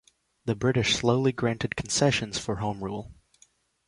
The British slowly granted concessions for home rule.